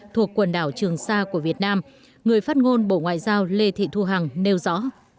thuộc quần đảo trường sa của việt nam người phát ngôn bộ ngoại giao lê thị thu hằng nêu rõ